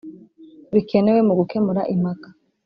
Bikenewe Mu Gukemura Impaka